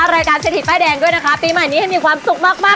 รายการเศรษฐีป้ายแดงด้วยนะคะปีใหม่นี้ให้มีความสุขมากมาก